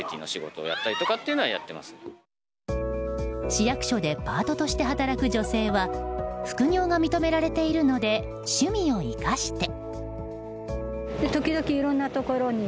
市役所でパートとして働く女性は副業が認められているので趣味を生かして。